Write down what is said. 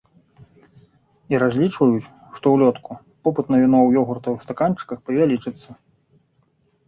І разлічваюць, што ўлетку попыт на віно ў ёгуртавых стаканчыках павялічыцца.